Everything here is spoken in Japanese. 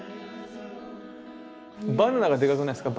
バナナがでかくないですか